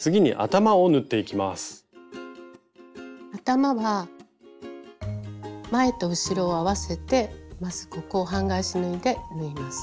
頭は前と後ろを合わせてまずここを半返し縫いで縫います。